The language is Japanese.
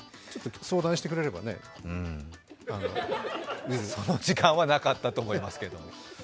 ちょっと相談してくれればね、ウィル・スミスもその時間はなかったと思いますけど。